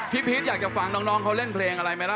พี่พีชอยากถึงฟังน้องเล่นเพลงอะไรไม่ละ